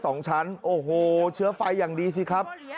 โอ้โฮเชื้อไฟอย่างดีสิครับ